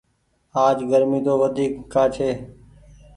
آج گرمي تو وڍيڪ ڪآ ڇي۔